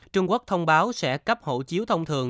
trung quốc thông báo sẽ cấp hộ chiếu thông thường